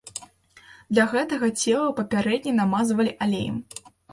Для гэтага цела папярэдне намазвалі алеем.